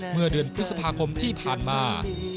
เมื่อเดือนพฤษภาคมที่ผ่านมา